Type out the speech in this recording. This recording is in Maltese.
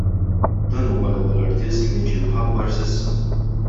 Dan huwa l-ewwel artist li ġie mħabbar s'issa.